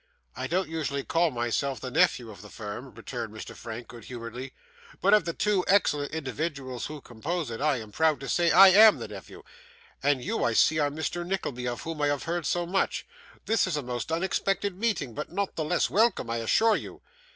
'I don't usually call myself the nephew of the firm,' returned Mr. Frank, good humouredly; 'but of the two excellent individuals who compose it, I am proud to say I AM the nephew. And you, I see, are Mr. Nickleby, of whom I have heard so much! This is a most unexpected meeting, but not the less welcome, I assure you.